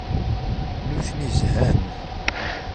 Nutni zhan.